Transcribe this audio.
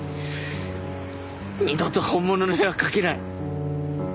二度と本物の絵は描けない。